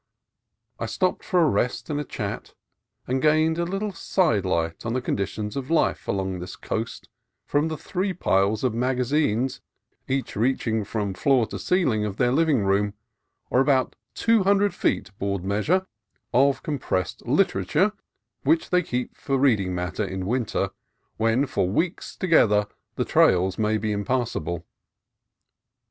I stopped for a rest and a chat, and gained a little sidelight on the conditions of life along this coast from the three piles of magazines, each reach ing from floor to ceiling of their living room, or about two hundred feet, board measure, of compressed liter ature, which they keep for reading matter in winter, when for weeks together the trails may be impassable.